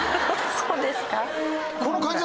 そうですか。